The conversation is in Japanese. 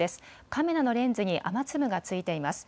カメラのレンズに雨粒がついています。